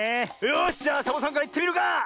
よしじゃあサボさんからいってみるか！